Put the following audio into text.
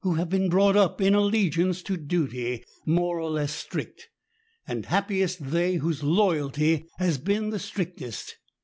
171 have been brought up in allegiance to Duty, more or less strict; and happiest they whose loyalty has been the strictest